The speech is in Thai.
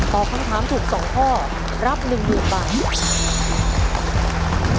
ตอบคำถามถูก๒ข้อรับ๑๐๐๐บาท